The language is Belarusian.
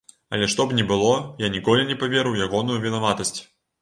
Але што б ні было, я ніколі не паверу ў ягоную вінаватасць.